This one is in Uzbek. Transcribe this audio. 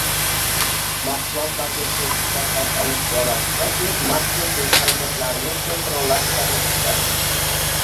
mahsulotlarga sertifikatlar olish borasida o‘z marketing harakatlarini sinxronlashtirishdi.